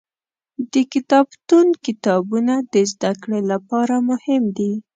د کتابتون کتابونه د زده کړې لپاره مهم دي.